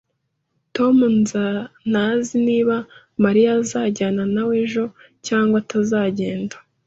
Tom ntazi niba Mariya azajyana nawe ejo cyangwa atazagenda